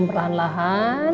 semoga lekas pulih ya